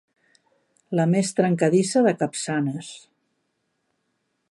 La més trencadissa de Capçanes.